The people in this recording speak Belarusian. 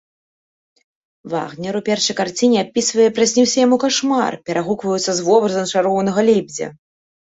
Вагнер у першай карціне апісвае прысніўся яму кашмар, перагукваюцца з вобразам чароўнага лебедзя.